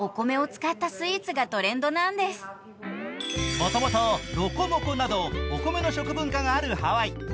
もともとロコモコなどお米の食文化があるハワイ。